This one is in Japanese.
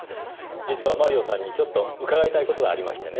実はマリオさんにちょっと伺いたい事がありましてね。